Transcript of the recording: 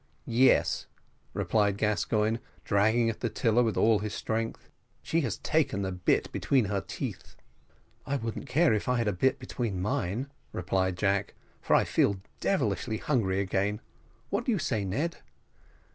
"Yes," replied Gascoigne, dragging at the tiller with all his strength; "she has taken the bit between her teeth." "I wouldn't care if I had a bit between mine," replied Jack; "for I feel devilish hungry again. What do you say, Ned?"